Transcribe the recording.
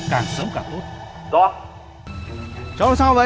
càng sớm càng tốt